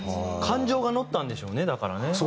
感情が乗ったんでしょうねだからね。